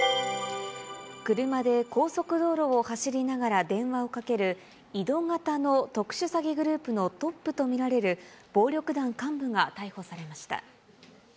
車で高速道路を走りながら電話をかける、移動型の特殊詐欺グループのトップと見られる暴力団幹部が逮捕されました。